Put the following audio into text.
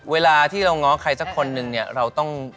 เวลาที่เราง้อใครสักคนนึงเนี่ยเราต้อง